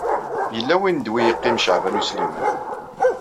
Yella win d wi yeqqim Caɛban U Sliman.